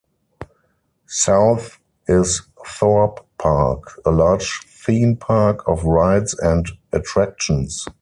South is Thorpe Park, a large theme park of rides and attractions.